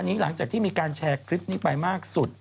หลังจากที่มีการแชร์คลิปนี้ไปมากสุด